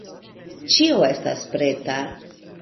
Ĉio estas preta.